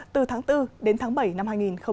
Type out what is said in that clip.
từ tháng bốn đến tháng bảy năm hai nghìn hai mươi